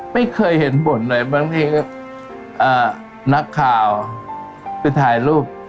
ไม่เคยเห็นบ่นเลยบางทีก็นักข่าวไปถ่ายรูป